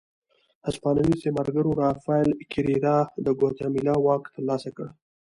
هسپانوي استعمارګرو رافایل کېریرا د ګواتیمالا واک ترلاسه کړ.